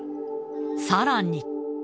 さらに。